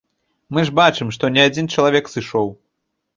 Мы ж бачым, што не адзін чалавек сышоў.